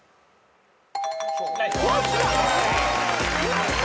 やった。